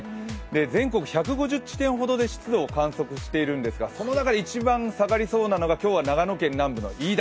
全国１５０地点ほどで湿度を観測しているんですがその中で一番下がりそうなのが今日は長野県南部の飯田。